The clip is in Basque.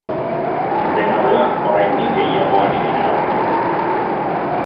Dena dela, oraindik gehiago ari dira aurkitzen.